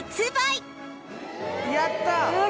・やった！